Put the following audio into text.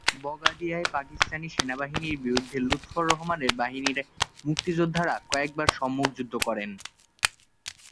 বগাদিয়ায় পাকিস্তানি সেনাবাহিনীর বিরুদ্ধে লুৎফর রহমানের বাহিনীর মুক্তিযোদ্ধারা কয়েকবার সম্মুখ যুদ্ধ করেন।